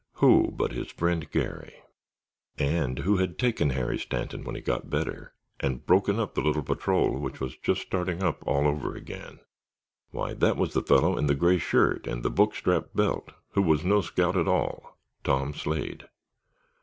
Who but his friend, Garry. And who had taken Harry Stanton when he got better, and broken up the little patrol which was just starting up all over again? Why, that was the fellow in the gray shirt and the book strap belt, who was no scout at all—Tom Slade.